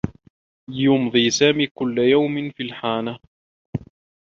يمضي سامي كلّ يوم في الحانة.